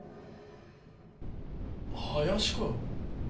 ・林君。